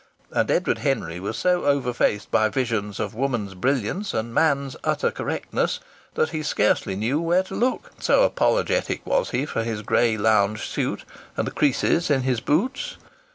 And Edward Henry was so overfaced by visions of woman's brilliance and man's utter correctness that he scarcely knew where to look so apologetic was he for his grey lounge suit and the creases in his boots.